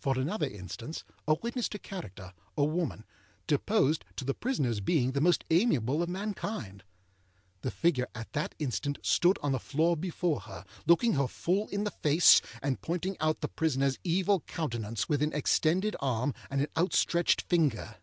For another instance: a witness to character, a woman, deposed to the prisonerâs being the most amiable of mankind. The figure at that instant stood on the floor before her, looking her full in the face, and pointing out the prisonerâs evil countenance with an extended arm and an outstretched finger.